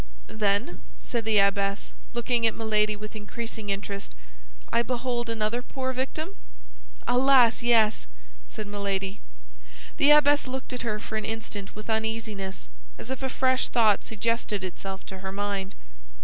"Then," said the abbess, looking at Milady with increasing interest, "I behold another poor victim?" "Alas, yes," said Milady. The abbess looked at her for an instant with uneasiness, as if a fresh thought suggested itself to her mind.